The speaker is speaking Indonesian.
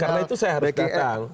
karena itu saya harus datang